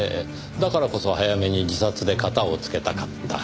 だからこそ早めに自殺で片をつけたかった。